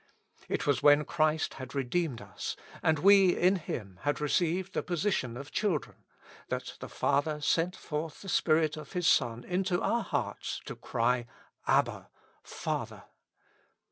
It was when Christ had redeemed us, and we in Him had received the position of children, that the Father sent forth the Spirit of His Son into our hearts to cry, ''Abba, Father."